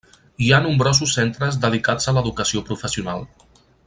Hi ha nombrosos centres dedicats a l'educació professional.